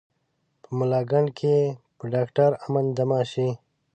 په ملاکنډ یې په ډاکټر امن دمه شي.